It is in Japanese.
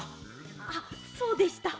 あっそうでした。